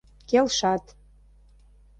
Келшат.